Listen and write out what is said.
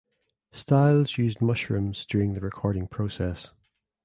Styles used "mushrooms" during the recording process.